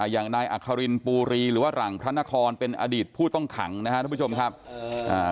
อย่างนายอัครินปูรีหรือว่าหลังพระนครเป็นอดีตผู้ต้องขังนะครับทุกผู้ชมครับอ่า